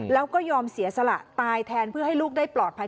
แล้วก็ยอมเสียสละตายแทนเพื่อให้ลูกได้ปลอดภัย